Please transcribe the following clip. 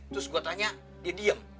terus gue tanya dia diem